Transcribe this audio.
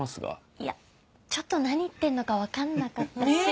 いやちょっと何言ってんのか分かんなかったし。